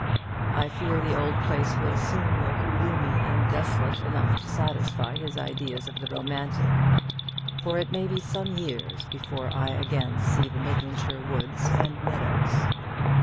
I fear the old place will soon look gloomy and desolate enough to satisfy his ideas of the romantic, for it may be some years before I again see the Midlandshire woods and meadows."